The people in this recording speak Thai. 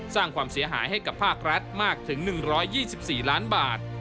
สร้างความเสียหายให้กับภาครัฐมากถึง๑๒๔ล้านบาท